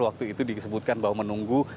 waktu itu disebutkan bahwa menunggu